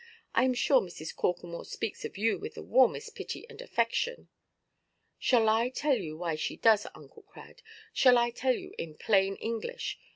I am sure Mrs. Corklemore speaks of you with the warmest pity and affection." "Shall I tell you why she does, Uncle Crad? Shall I tell you in plain English?